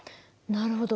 なるほど。